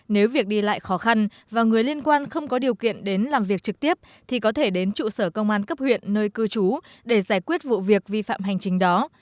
nếu việc đi lại khó khăn và người liên quan không có điều kiện đến làm việc trực tiếp thì có thể đến trụ sở công an cấp huyện nơi cư trú để giải quyết vụ việc vi phạm hành chính đó